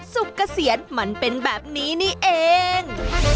เกษียณมันเป็นแบบนี้นี่เอง